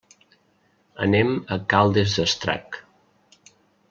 Anem a Caldes d'Estrac.